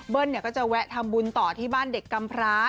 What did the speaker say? ก็จะแวะทำบุญต่อที่บ้านเด็กกำพร้า